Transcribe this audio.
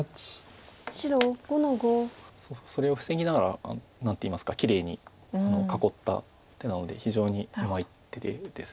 それを防ぎながら何ていいますかきれいに囲った手なので非常にうまい手です。